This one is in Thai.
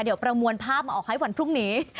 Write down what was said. เดี๋ยวประมวลภาพมาออกให้วันพรุ่งนี้